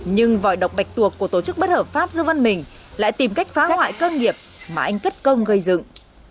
nhưng vòi độc bạch tuộc của tổ chức bất hợp pháp dương văn mình lại tìm cách phá hoại con nghiệp mà anh cất công gây dựng